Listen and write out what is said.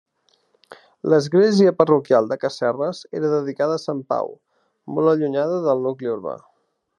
L'església parroquial de Casserres era dedicada a Sant Pau, molt allunyada del nucli urbà.